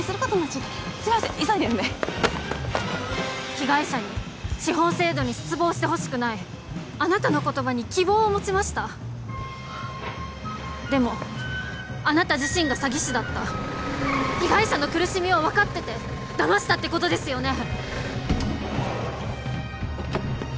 急いでるんで被害者に司法制度に失望してほしくないあなたの言葉に希望を持ちましたでもあなた自身が詐欺師だった被害者の苦しみを分かっててだましたってことですよね